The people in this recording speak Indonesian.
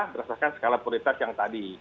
berdasarkan skala prioritas yang tadi